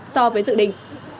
so với dự định